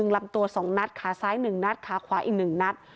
ลำตัว๒นัดขาซ้าย๑นัดขาขวาอีก๑นัด